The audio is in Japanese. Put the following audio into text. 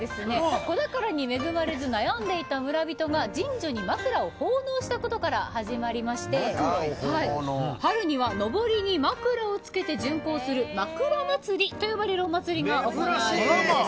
子宝に恵まれず悩んでいた村人が神社に枕を奉納したことから始まりまして春には、のぼりに枕を付けで巡航するまくら祭りと呼ばれるお祭りが行われるんですね。